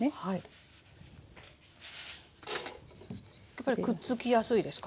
やっぱりくっつきやすいですか？